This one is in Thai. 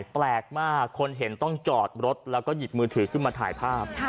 แปลกมากคนเห็นต้องจอดรถแล้วก็หยิบมือถือขึ้นมาถ่ายภาพ